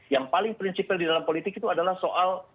yang paling prinsipil di dalam politik itu adalah soal